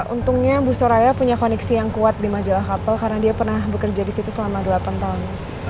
untungnya bu soraya punya koneksi yang kuat di majalah kapal karena dia pernah bekerja di situ selama delapan tahun